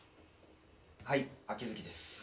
はい秋月です。